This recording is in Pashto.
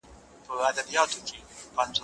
هغه څوک چي انځورونه رسم کوي هنر لري